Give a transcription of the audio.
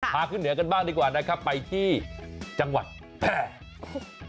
ขึ้นเหนือกันบ้างดีกว่านะครับไปที่จังหวัดแพร่